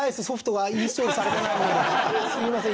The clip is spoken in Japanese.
すみません。